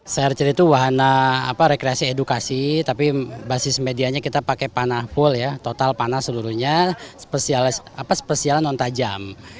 saya arti itu wahana rekreasi edukasi tapi basis medianya kita pakai panah full ya total panah seluruhnya spesial non tajam